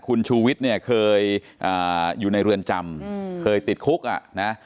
คุณชูวิทย์เนี่ยเคยอยู่ในเรือนจำเคยติดคุกอ่ะนะ